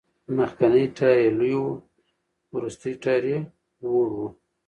مخکېنی ټایر یې لوی و، وروستی ټایر وړه و.